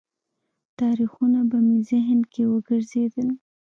تاریخونه به مې ذهن کې وګرځېدل.